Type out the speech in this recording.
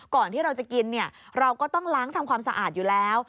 ก่อนที่เราจะกินเนี่ยเราก็ต้องล้างทำความสะอาดอยู่แล้ว